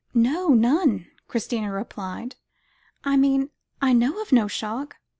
"No; none," Christina replied. "I mean, I know of no shock.